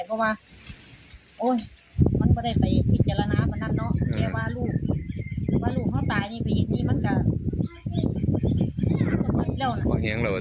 แกว่าลูกพ่อตายนี่มันก็